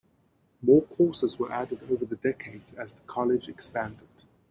More courses were added over the decades as the college expanded.